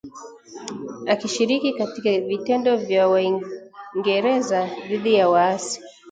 akishiriki katika vitendo vya Waingereza dhidi ya waasi